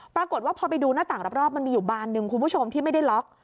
ปรากฏว่าพอไปดูหน้าต่างรอบมันมีอยู่บานหนึ่งคุณผู้ชมที่ไม่ได้ล็อก